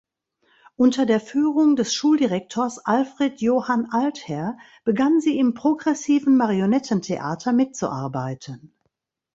Unter der Führung des Schuldirektors Alfred Johann Altherr begann sie im progressiven Marionettentheater mitzuarbeiten.